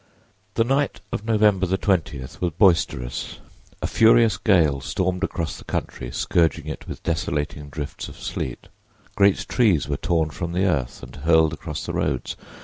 The night of November 20 was boisterous. A furious gale stormed across the country, scourging it with desolating drifts of sleet. Great trees were torn from the earth and hurled across the roads.